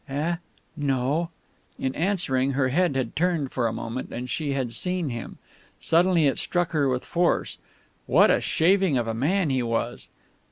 "Eh?... No." In answering, her head had turned for a moment, and she had seen him. Suddenly it struck her with force: what a shaving of a man he was!